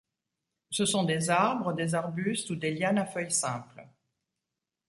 Ce sont des arbres, des arbustes ou des lianes à feuilles simples.